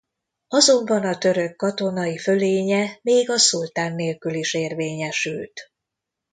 Azonban a török katonai fölénye még a szultán nélkül is érvényesült.